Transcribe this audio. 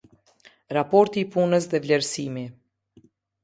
Raporti i Punës dhe Vlerësimi.